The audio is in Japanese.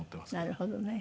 なるほどね。